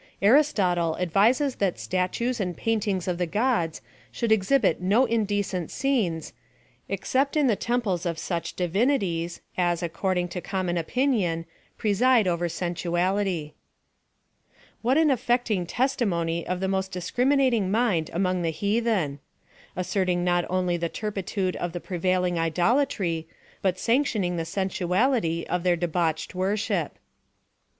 Aristotle advises that statues and paintings of the gods should exhibit no indecent scenes, ex cept in the temples of such divinities^ as, accord ing" to common opinion^ preside over sensuality,* What an affecting testimony of the most discrim^ nating mind among the heathen } asserting not only the turpitude of the prevailing idolatry, but sano lioning the sensuality of their debauched worship.